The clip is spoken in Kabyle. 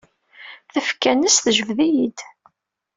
Tafekka-nnes tejbed-iyi-d.